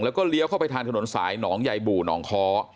แล้วก็เลี้ยวเข้าไปทางถนนสายหนองใยบู่หนองค้อ